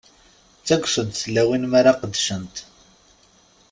Ttaggsent tlawin mi ara qeddcent.